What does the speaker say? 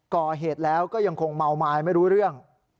ก่อเหตุแล้วก็ยังคงเมาไม้ไม่รู้เรื่อง